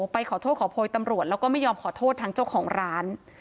ไปขอโทษขอโพยตำรวจแล้วก็ไม่ยอมขอโทษทางเจ้าของร้าน